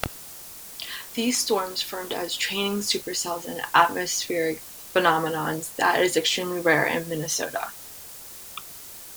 These storms formed as training supercells-an atmospheric phenomenon that is extremely rare in Minnesota.